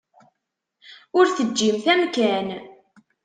Ur teǧǧimt amkan.